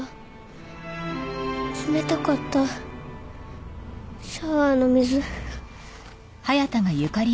冷たかったシャワーの水。